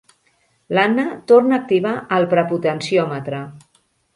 L'Anna torna a activar el prepotenciòmetre.